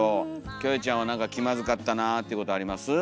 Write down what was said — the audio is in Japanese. キョエちゃんはなんか気まずかったなっていうことあります？